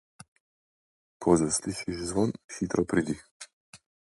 Ko zaslišiš zvon, hitro pridi.